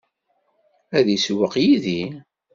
Ad isewweq yid-i?